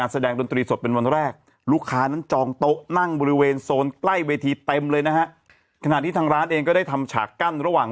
โซนใกล้เวทีเต็มเลยนะฮะขณะที่ทางร้านเองก็ได้ทำฉากกั้นระหว่าง